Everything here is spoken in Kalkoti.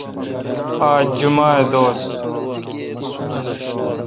آج جمعہ دوس